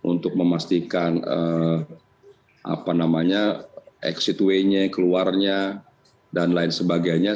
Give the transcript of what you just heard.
untuk memastikan exit way nya keluarnya dan lain sebagainya